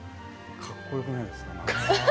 かっこよくないですか？